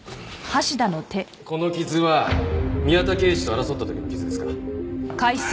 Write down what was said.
この傷は宮田刑事と争った時の傷ですか？